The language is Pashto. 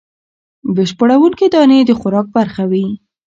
بشپړوونکې دانې د خوراک برخه وي.